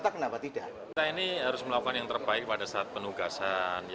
kita ini harus melakukan yang terbaik pada saat penugasan